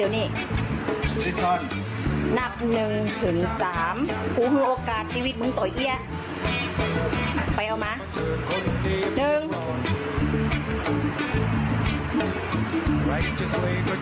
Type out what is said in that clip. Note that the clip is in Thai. อุ้ยถ่ายไว้เป็นแล้ว